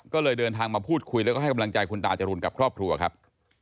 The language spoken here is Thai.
ก็เลยเดินทางมาพูดคุยแล้วก็ให้กำลังใจคุณตาจรูนกับครอบครัวครับ